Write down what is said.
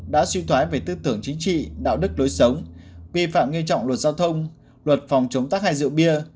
đã suy thoái về tư tưởng chính trị đạo đức lối sống vi phạm nghiêm trọng luật giao thông luật phòng chống tác hại rượu bia